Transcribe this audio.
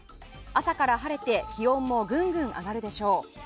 朝から晴れて気温もぐんぐん上がるでしょう。